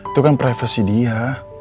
itu kan privasi dia